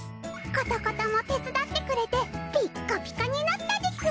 コトコトも手伝ってくれてピッカピカになったです。